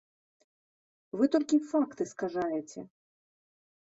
Вы толькі факты скажаеце!